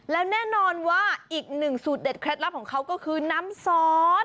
แล้วแน่นอนว่าอีกหนึ่งสูตรเด็ดเคล็ดลับของเขาก็คือน้ำซอส